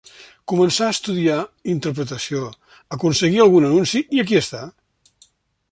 Començà estudiar interpretació, aconseguí algun anunci, i aquí està.